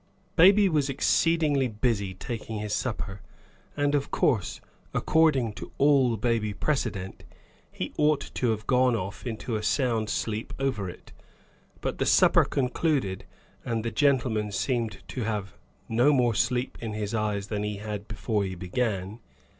Baby was exceedingly busy taking his supper. And of course, according to all baby precedent, he ought to have gone off into a sound sleep over it. But the supper concluded, and the gentleman seemed to have no more sleep in his eyes than he had before he began.